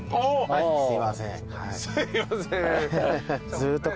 はいすいません。